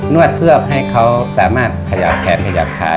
วดเพื่อให้เขาสามารถขยับแขนขยับขา